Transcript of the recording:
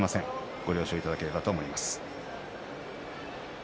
ご了承いただければと思います。